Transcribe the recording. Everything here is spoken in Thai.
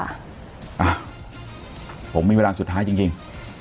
อ่ะผมมีเวลาสุดท้ายจริง